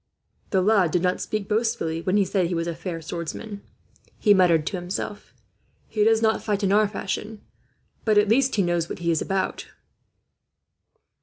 "The lad did not speak boastfully, when he said he was a fair swordsman," he muttered to himself. "He does not fight in our fashion, but at least he knows what he is about."